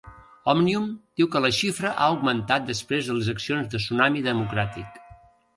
Òmnium diu que la xifra ha augmentat després de les accions de Tsunami Democràtic